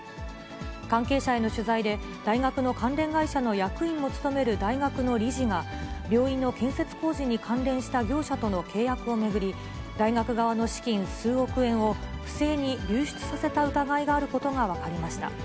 関係者への取材で、大学の関連会社の役員を務める大学の理事が、病院の建設工事に関連した業者との契約を巡り、大学側の資金数億円を不正に流出させた疑いがあることが分かりました。